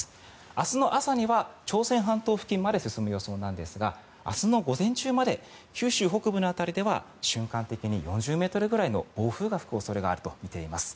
明日の朝には朝鮮半島付近まで進む予想なんですが明日の午前中まで九州北部の辺りでは瞬間的に４０ｍくらいの暴風が吹く恐れがあるとみています。